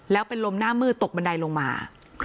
แล้วเป็นลมหน้ามืดตกบันไดลงมา